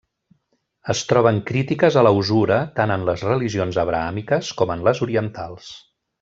Es troben crítiques a la usura tant en les religions abrahàmiques com en les orientals.